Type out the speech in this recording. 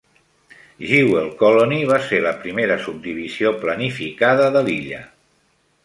Jewell Colony va ser la primera subdivisió planificada de l'illa.